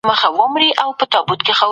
زما مونوګراف د خصوصي سکتور په اړه دی.